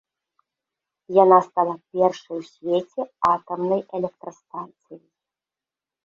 Яна стала першай у свеце атамнай электрастанцыяй.